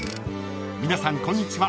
［皆さんこんにちは